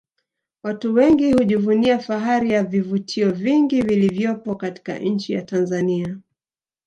Watu wengi hujivunia fahari ya vivutio vingi vilivyopo katika nchi ya Tanzania